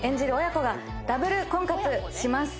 親子がダブル婚活します